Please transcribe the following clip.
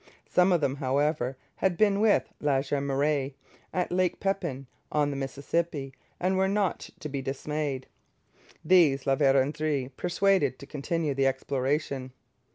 Some of them, however, had been with La Jemeraye at Lake Pepin, on the Mississippi, and were not to be dismayed. These La Vérendrye persuaded to continue the exploration.